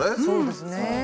そうですね。